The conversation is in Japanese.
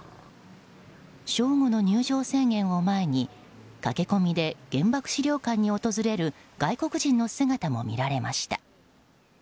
正午の入場制限を前に駆け込みで原爆資料館に訪れる外国人の姿も見られました。